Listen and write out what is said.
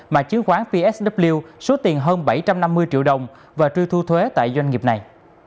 mà chứng khoán psw số tiền hơn bảy trăm năm mươi triệu đồng và truy thu thuế tại doanh nghiệp này